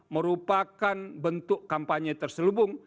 merupakan bentuk kampanye terselubung